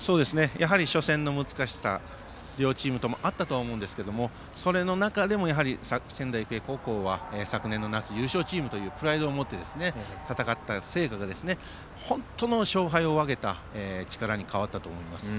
初戦の難しさが両チームともあったと思いますがそれの中でも仙台育英高校は昨年の夏優勝チームというプライドを持って戦った結果が本当の勝敗を分けた力に変わったと思います。